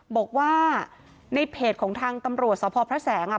บอกว่าในเพจของทางตำรวจสพพระแสงอ่ะ